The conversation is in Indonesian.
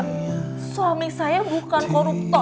suami saya bukan koruptor